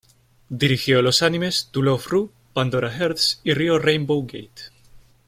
Dirigió los animes To Love Ru, Pandora Hearts y Rio Rainbow Gate!.